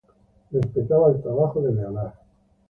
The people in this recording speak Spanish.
Respetaba el trabajo de Leonard.